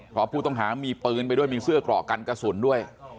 เพราะผู้ต้องหามีปืนไปด้วยมีเสื้อกรอกกันกระสุนด้วย